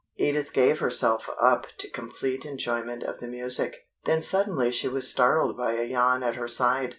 Edith gave herself up to complete enjoyment of the music. Then suddenly she was startled by a yawn at her side.